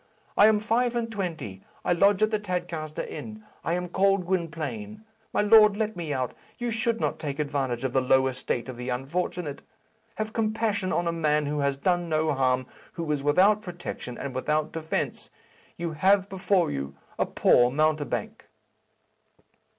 I am five and twenty. I lodge at the Tadcaster Inn. I am called Gwynplaine. My lord, let me out. You should not take advantage of the low estate of the unfortunate. Have compassion on a man who has done no harm, who is without protection and without defence. You have before you a poor mountebank."